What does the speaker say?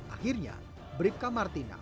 akhirnya brikka martina